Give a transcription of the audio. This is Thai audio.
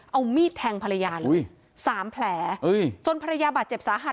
เอามีดแทงภรรยาเลยสามแผลจนภรรยาบาดเจ็บสาหัส